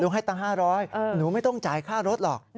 ให้ตังค์๕๐๐หนูไม่ต้องจ่ายค่ารถหรอก